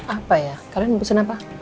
apa ya kalian memesan apa